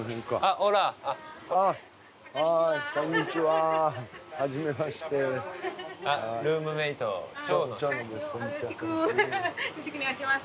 よろしくよろしくお願いします。